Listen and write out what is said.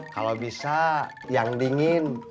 kalau bisa yang dingin